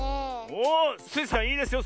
おスイさんいいですよ。